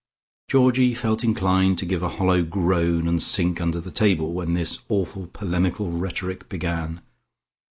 Georgie felt inclined to give a hollow groan and sink under the table when this awful polemical rhetoric began.